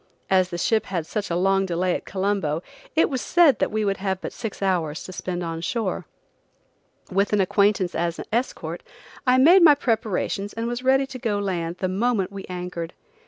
As the ship had such a long delay at Colombo, it was said that we would have but six hours to spend on shore. With an acquaintance as escort, I made my preparations and was ready to go to land the moment we anchored.